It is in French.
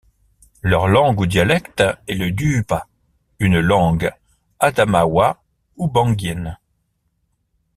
Leur langue ou dialecte est le duupa, une langue adamawa-oubanguienne.